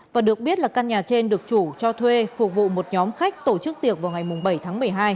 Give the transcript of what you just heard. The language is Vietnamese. và được biết là căn nhà trên được chủ cho thuê phục vụ một nhóm khách tổ chức tiệc vào ngày bảy tháng một mươi hai